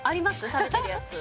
食べてるやつ